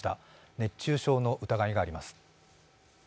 熱中症の疑いがあります。